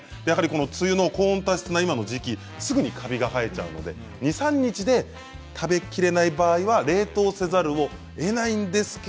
梅雨の高温多湿な今の時期はすぐにカビが生えてしまうので２、３日で食べきれない場合は冷凍せざるをえないんですよね。